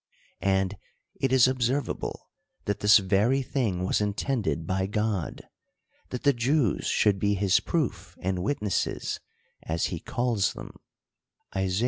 And it is observable, that this very thing was intended by God ; that the Jews should be his proof and wit nesses, as he calls them (Isa.